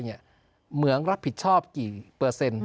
เหมืองรับผิดชอบกี่เปอร์เซ็นต์